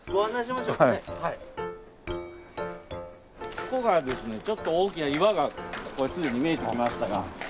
ここがですねちょっと大きな岩がすでに見えてきましたが。